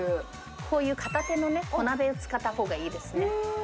こういう片手の小鍋を使った方がいいですね。